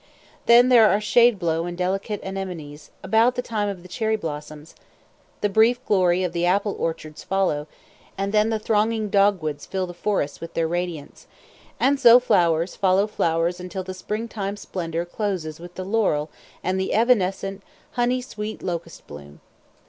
Then there are shadblow and delicate anemones, about the time of the cherry blossoms; the brief glory of the apple orchards follows; and then the thronging dogwoods fill the forests with their radiance; and so flowers follow flowers until the springtime splendor closes with the laurel and the evanescent, honey sweet locust bloom.